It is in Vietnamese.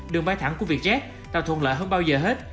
đường bay thẳng của việt jet tạo thuận lợi hơn bao giờ hết